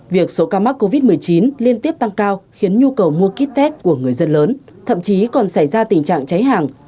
việc số ca mắc covid một mươi chín liên tiếp tăng cao khiến nhu cầu mua kit tét của người dân lớn thậm chí còn xảy ra tình trạng cháy hàng